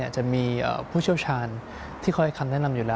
จะมีผู้เชี่ยวชาญที่คอยคำแนะนำอยู่แล้ว